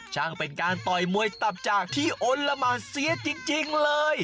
ช่างเป็นการต่อยมวยต่อจากที่อลละมาเสียจริงเลย